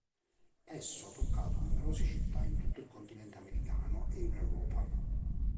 Esso ha toccato numerose città in tutto il continente americano e in Europa.